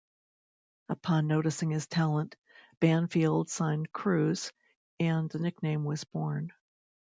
Upon noticing his talent, Banfield signed Cruz, and the nickname was born.